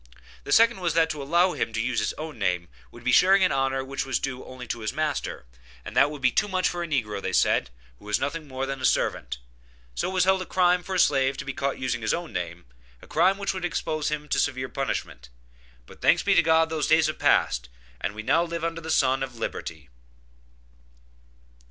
The second was that to allow him to use his own name would be sharing an honor which was due only to his master, and that would be too much for a negro, said they, who was nothing more than a servant. So it was held as a crime for a slave to be caught using his own name, a crime which would expose him to severe punishment. But thanks be to God that those days have passed, and we now live under the sun of liberty.